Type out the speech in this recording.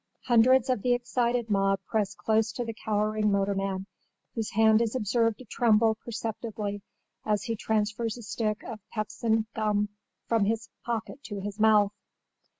Hundreds of the excited mob press close to the cowering motorman, whose hand is observed to tremble perceptibly as he transfers a stick of pepsin gum from his pocket to his mouth.